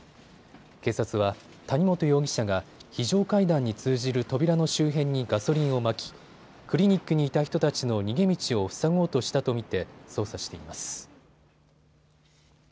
警察は、谷本容疑者が非常階段に通じる扉の周辺にガソリンをまきクリニックにいた人たちの逃げ道を塞ごうとしたと見て捜査しています。